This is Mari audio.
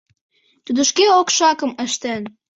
Тудо шке окшакым ыштен.